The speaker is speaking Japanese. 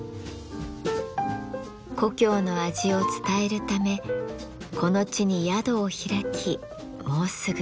故郷の味を伝えるためこの地に宿を開きもうすぐ２０年。